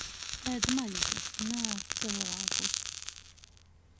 Ēd maizi, naēd cylvākus!